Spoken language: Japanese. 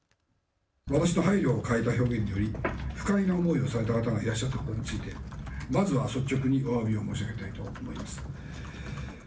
私の配慮を欠いた表現により不快な思いをされた方がいらっしゃったことについてまずは率直におわび申し上げたいと思っています。